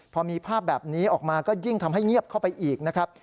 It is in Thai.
พอมีภาพแบบนี้ออกมาก็ยิ่งทำให้เงียบเข้าไปอีกนะครับ